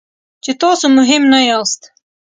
چې تاسو مهم نه یاست.